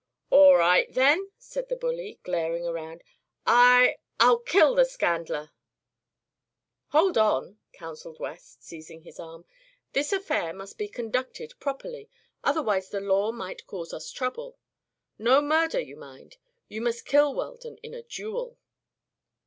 "All right, then," said the bully, glaring around, "I I'll kill the scandler!" "Hold on!" counselled West, seizing his arm. "This affair must be conducted properly otherwise the law might cause us trouble. No murder, mind you. You must kill Weldon in a duel."